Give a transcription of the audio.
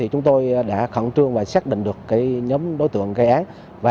chúng tôi đã khẩn trương và xác định được nhóm đối tượng gây án